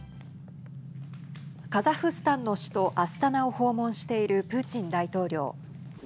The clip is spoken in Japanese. カザフスタンの首都アスタナを訪問しているプーチン大統領。